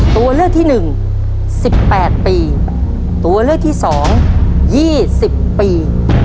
ตัวเลือกที่หนึ่ง๑๘ปีตัวเลือกที่สอง๒๐ปี